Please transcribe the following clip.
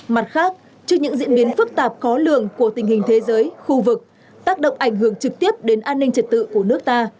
mặt khác trước những diễn biến phức tạp khó lường của tình hình thế giới khu vực tác động ảnh hưởng trực tiếp đến an ninh trật tự của nước ta